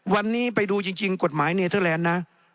วันนี้ไปดูจริงกฎหมายเนเทอร์แลนด์นะ